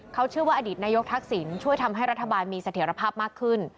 เขาเชื่อว่าอดีตนายกทักศิลป์ช่วยทำให้รัฐบาลมีเศรษฐกิจการมากขึ้น